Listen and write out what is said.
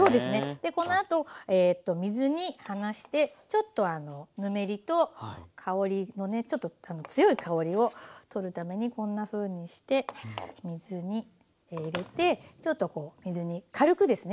でこのあと水にはなしてちょっとぬめりと香りをねちょっと強い香りを取るためにこんなふうにして水に入れてちょっとこう水に軽くですね